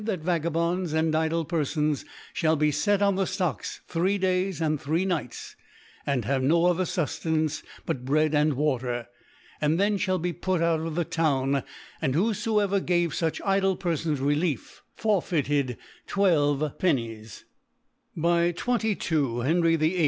That Vagabonds and idle Perfons Ihould be fet on the S cocks three Days and three Nights, and have no other Suftenance but Bread and Water, and then Ihall be put out of the Town ; and whofoevergave fuch idle Perfons Relief, forfeited 12 d, G4 By ( l^S ) By 21 Henry VIII.